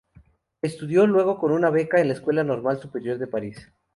Estudió luego con una beca en la Escuela Normal Superior de París.